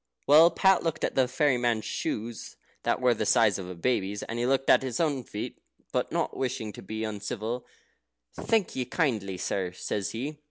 Well, Pat looked at the fairy man's shoes, that were the size of a baby's, and he looked at his own feet; but not wishing to be uncivil, "Thank ye kindly, sir," says he.